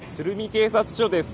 警察署です。